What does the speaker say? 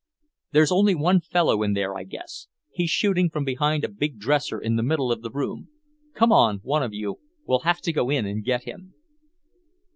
"There's only one fellow in there, I guess. He's shooting from behind a big dresser in the middle of the room. Come on, one of you, we'll have to go in and get him."